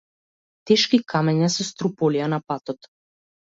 Тешки камења се струполија на патот.